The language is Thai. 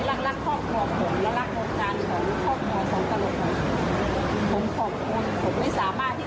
รักรักครอบครัวผมและรักโรงการของครอบครัวของตรงนี้